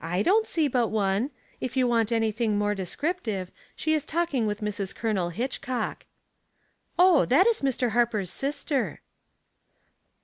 "Z don't see but one. If you want any thing more descriptive, she is talking with Mis. Colonel Hitchcock." " Oh, that is Mr. Harper's sister."